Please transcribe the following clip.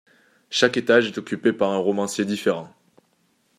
Chaque étage est occupé par un romancier différent.